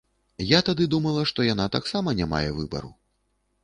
Я тады думала, што яна таксама не мае выбару.